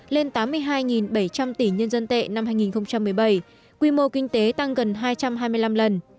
lên tám mươi hai bảy trăm linh tỷ nhân dân tệ năm hai nghìn một mươi bảy quy mô kinh tế tăng gần hai trăm hai mươi năm lần